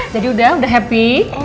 jadi udah udah happy